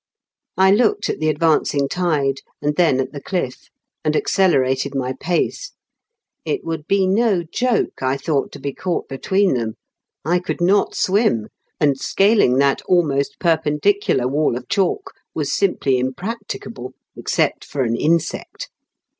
I looked at the advancing tide, and then at the clifi*, and accelerated my pace. It would be no joke, I thought, to be caught between them. I could not swim, and scaling that almost perpendicular wall of chalk was simply impracticable, except for an insect.